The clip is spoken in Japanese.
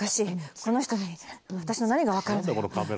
この人に私の何がわかるのよ？